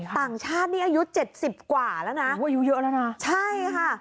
ต่างชาตินี้อายุ๗๐กว่าแล้วนะอ่ะใช่ค่ะหายุเยอะแล้วนะ